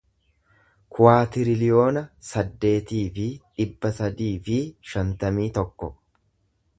kuwaatiriliyoona saddeetii fi dhibba sadii fi shantamii tokko